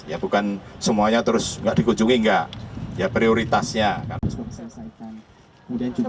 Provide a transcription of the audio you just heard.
ya bukan semuanya terus nggak dikunjungi enggak ya prioritasnya karena selesaikan